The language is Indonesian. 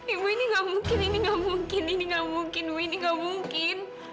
ibu ini gak mungkin ini gak mungkin ini gak mungkin ini gak mungkin